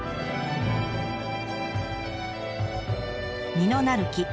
「実のなる木」。